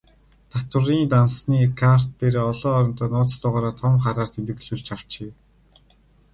Тэтгэврийн дансны карт дээрээ олон оронтой нууц дугаараа том хараар тэмдэглүүлж авчээ.